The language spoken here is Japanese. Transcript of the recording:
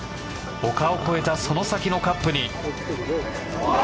丘を越えたその先のカップに。